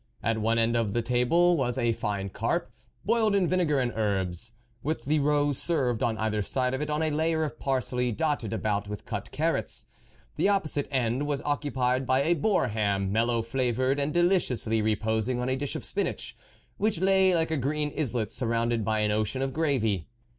At one end of the table was a fine carp, boiled in vinegar and herbs, with the roe served on either side of it on a layer of parsley, dotted about with cut carrots. The op posite end was occupied by a boar ham, mellow flavoured, and deliciously reposing on a dish of spinach, which lay like a green islet surrounded by an ocean of gravy.